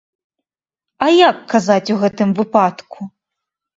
А як казаць у гэтым выпадку?